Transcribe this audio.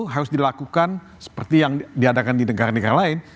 harus dilakukan seperti yang diadakan di negara negara lain